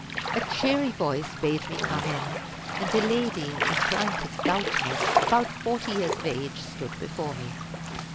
A cheery voice bade me come in, and a lady, inclined to stoutness, about forty years of age, stood before me.